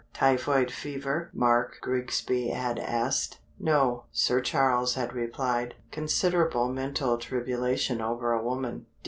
"Typhoid fever?" Mark Grigsby had asked. "No," Sir Charles had replied, "considerable mental tribulation over a woman."